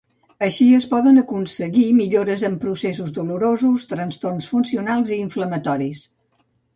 Així es poden aconseguir millores en processos dolorosos, trastorns funcionals i inflamatoris.